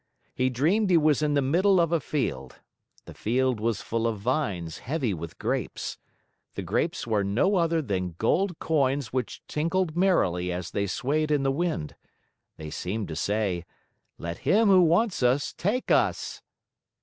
He dreamed he was in the middle of a field. The field was full of vines heavy with grapes. The grapes were no other than gold coins which tinkled merrily as they swayed in the wind. They seemed to say, "Let him who wants us take us!"